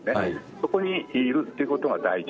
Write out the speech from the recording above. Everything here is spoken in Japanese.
そこにいるということが大事。